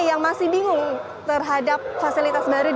yang masih bingung terhadap fasilitas baru